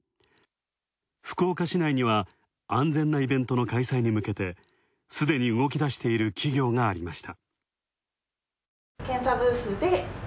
福岡市内には、安全なイベントの開催に向けてすでに動き出している企業がありました。